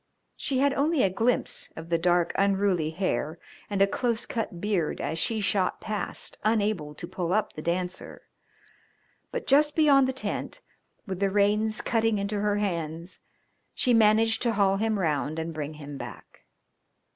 She had only a glimpse of dark, unruly hair and a close cut beard as she shot past, unable to pull up The Dancer. But just beyond the tent, with the reins cutting into her hands, she managed to haul him round and bring him back.